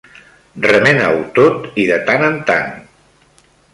Remena-ho tot i de tant en tant.